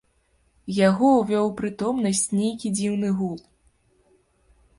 Яго ўвёў у прытомнасць нейкі дзіўны гул.